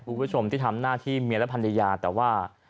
คุณผู้ชมที่ทำหน้าที่เมียและภรรยาแต่ว่า